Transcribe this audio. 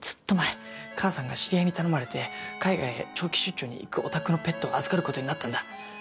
母さんが知り合いに頼まれて海外へ長期出張に行くお宅のペットを預かることになったんだ。